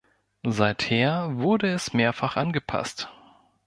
Seither wurde es mehrfach angepasst.